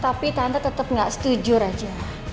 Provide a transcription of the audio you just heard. tapi tante tetep gak setuju raja